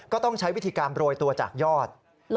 ก็ต้องใช้วิธีการโรยตัวจากยอด